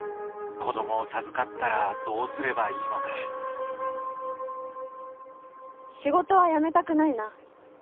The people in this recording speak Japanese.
子どもを授かったらどうすればいいのか仕事は辞めたくないな。